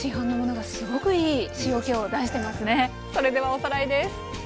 それではおさらいです。